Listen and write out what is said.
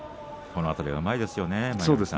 この辺りはうまいですよね。